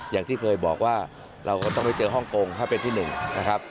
อย่างที่เคยบอกว่าเราก็ต้องไปเจอฮ่องกงถ้าเป็นที่หนึ่งนะครับ